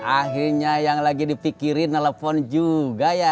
akhirnya yang lagi dipikirin telepon juga ya